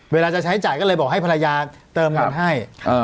เวลาจะใช้จ่ายก็เลยบอกให้ภรรยาเติมเงินให้